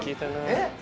えっ？